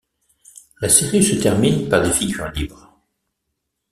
La série se termine par des figures libres.